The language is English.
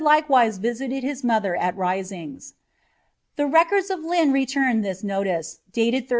likewise visited his mother at Risings: the neordu of Lynn return this notice, dated 1334.